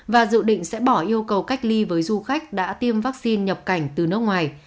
và dự định sẽ bỏ yêu cầu cách ly với du khách đã tiêm vaccine nhập cảnh từ nước ngoài